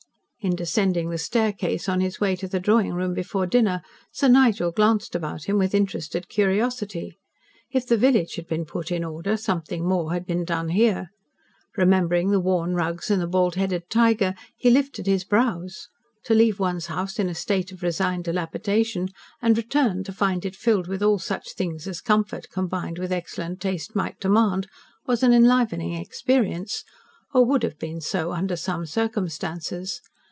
In descending the staircase on his way to the drawing room before dinner, Sir Nigel glanced about him with interested curiosity. If the village had been put in order, something more had been done here. Remembering the worn rugs and the bald headed tiger, he lifted his brows. To leave one's house in a state of resigned dilapidation and return to find it filled with all such things as comfort combined with excellent taste might demand, was an enlivening experience or would have been so under some circumstances.